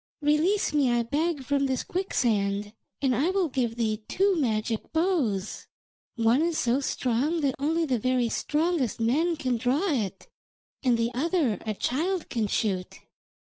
Release me, I beg, from this quicksand, and I will give thee two magic bows. One is so strong that only the very strongest men can draw it, and the other a child can shoot.'